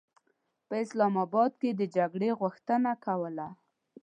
په اسلام اباد کې د جګړې غوښتنه کوله.